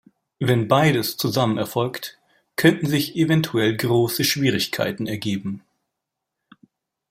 Wenn Beides zusammen erfolgt, könnten sich eventuell große Schwierigkeiten ergeben.